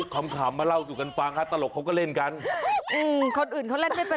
อืมคนอื่นเขาเล่นไม่เป็นไรหรอกแต่คุณเล่นแบบนี้